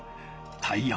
タイヤ。